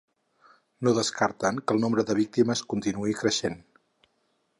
No descarten que el nombre de víctimes continuï creixent.